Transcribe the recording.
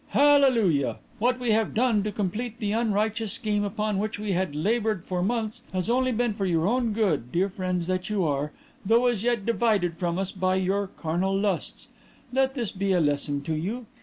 Hallelujah! "What we have done to complete the unrighteous scheme upon which we had laboured for months has only been for your own good, dear friends that you are, though as yet divided from us by your carnal lusts. Let this be a lesson to you.